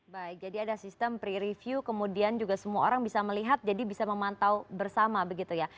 baik jadi ada sistem pre review kemudian juga semua orang bisa melihat jadi bisa memantau bersama begitu ya